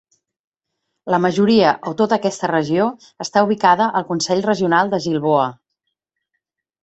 La majoria o tota aquesta regió està ubicada al consell regional de Gilboa.